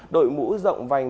đội mũ rộng vành